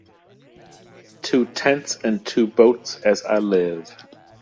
Two tents and two boats, as I live!